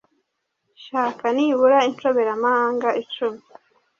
Shaka nibura inshoberamahanga icumi